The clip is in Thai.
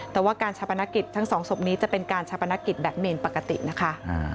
แต่ว่าการชาปนกิจทั้งสองศพนี้จะเป็นการชาปนกิจแบบเมนปกตินะคะ